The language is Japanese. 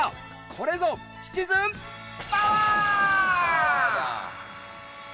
これぞ、シチズンパワー！